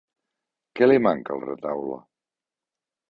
Què li manca al retaule?